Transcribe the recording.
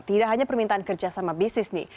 tidak hanya permintaan kerja sama bisnis nih